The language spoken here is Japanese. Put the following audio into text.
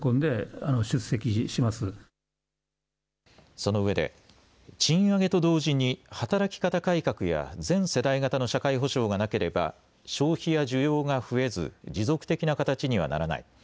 そのうえで賃上げと同時に働き方改革や全世代型の社会保障がなければ消費や需要が増えず持続的な形にはならない。